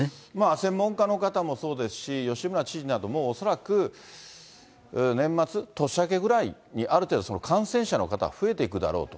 専門家の方もそうですし、吉村知事なども恐らく年末、年明けぐらいにある程度感染者の方、増えていくだろうと。